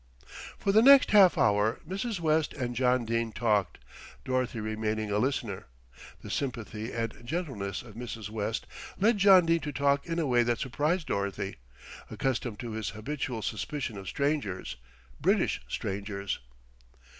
For the next half hour Mrs. West and John Dene talked, Dorothy remaining a listener. The sympathy and gentleness of Mrs. West led John Dene to talk in a way that surprised Dorothy, accustomed to his habitual suspicion of strangers British strangers.